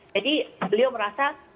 jadi beliau merasa